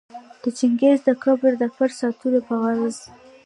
د چنګیز د قبر د پټ ساتلو په غرض